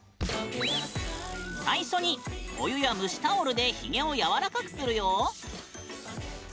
最初にお湯や蒸しタオルでひげをやわらかくするよ。